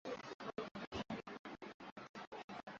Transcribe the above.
pindi tukiyarekebisha sekta ya habari itaendelea